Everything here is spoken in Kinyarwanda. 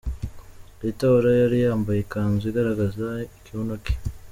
Rita Ora yari yambaye ikanzu igaragaza ikibuno cye.